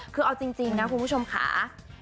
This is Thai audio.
คือเอาจริงนะคุณผู้ชมค่ะ